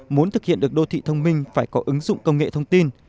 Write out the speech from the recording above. muốn thực hiện được đô thị thông minh phải có ứng dụng công nghệ thông tin